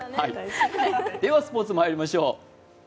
ではスポーツまいりましょう。